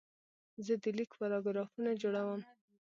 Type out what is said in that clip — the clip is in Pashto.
زه د لیک پاراګرافونه جوړوم.